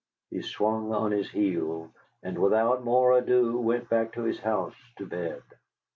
He swung on his heel, and without more ado went back to his house to bed.